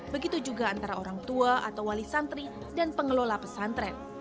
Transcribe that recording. begitu juga antara orang tua atau wali santri dan pengelola pesantren